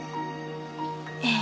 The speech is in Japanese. ええ。